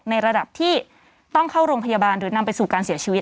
ในระดับที่ต้องเข้าโรงพยาบาลหรือนำไปสู่การเสียชีวิต